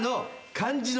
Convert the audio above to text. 漢字の。